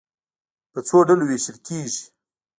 په څو ډلو وېشل کېږي.